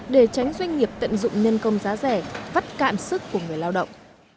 để tránh doanh nghiệp tận dụng nhân công giá rẻ vắt cạn sức của người lao động